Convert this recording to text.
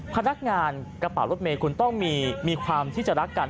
พนักงานกระเป๋ารถเมย์คุณต้องมีความที่จะรักกัน